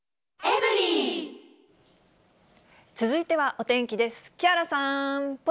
続いてはお天気です。